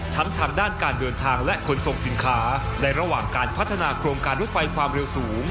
ทางด้านการเดินทางและขนส่งสินค้าในระหว่างการพัฒนาโครงการรถไฟความเร็วสูง